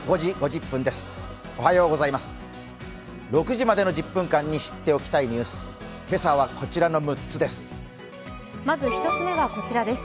６時までの１０分間に知っておきたいニュース、今朝はこちらの６つです。